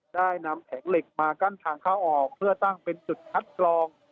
ได้นำแผงเหล็กมากั้นทางเข้าออกเพื่อตั้งเป็นจุดคัดกรอง